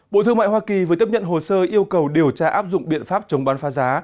bộ thương mại hoa kỳ vừa tiếp nhận hồ sơ yêu cầu điều tra áp dụng biện pháp chống bán phá giá